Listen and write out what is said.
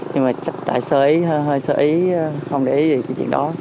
nhưng mà chắc tài xế hơi sơ ý không để ý gì về chuyện đó